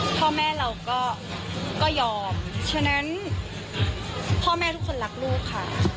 พ่อแม่เราก็ยอมฉะนั้นพ่อแม่ทุกคนรักลูกค่ะ